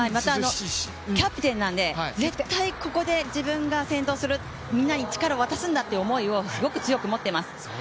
キャプテンなので、絶対ここで自分が先導する、みんなに力を渡すんだという思いを強くもっています。